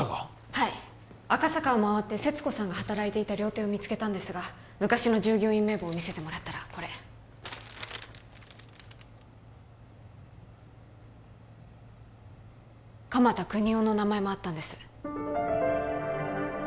はい赤坂をまわって勢津子さんが働いていた料亭を見つけたんですが昔の従業員名簿を見せてもらったらこれ鎌田國士の名前もあったんです